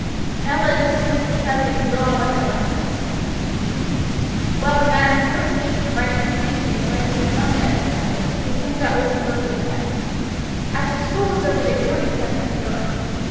Now let us dismiss the subject and go on with our lessons." While the master was speaking Ripon and Sankey had glanced for a moment at each other; the same thought was in both their minds. After school was over they joined each other in the yard.